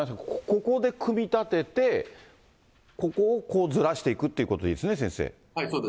ここで組み立てて、ここをこうずらしていくということでいいですね、先生。